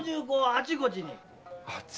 あちこち。